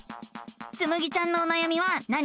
つむぎちゃんのおなやみは何かな？